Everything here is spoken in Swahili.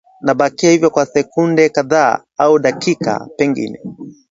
Nabakia hivyo kwa sekunde kadhaa, au dakika pengine